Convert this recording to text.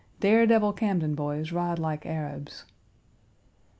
Daredevil Camden boys ride like Arabs!